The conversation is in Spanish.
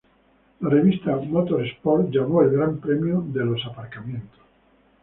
La revista Motorsport llamó "El Gran Premio de los Aparcamientos".